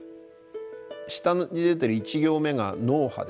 下に出てる１行目が脳波ですね。